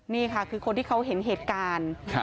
นี่ค่ะคือคนที่เขาเห็นเหตุการณ์